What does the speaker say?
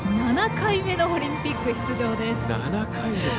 ７回目のオリンピック出場です。